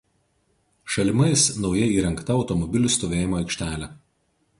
Šalimais naujai įrengta automobilių stovėjimo aikštelė.